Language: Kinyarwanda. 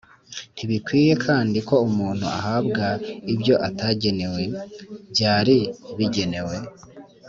Ntibikwiye kandi ko umuntu yahabwa ibyo atagenewe, byari bigenewe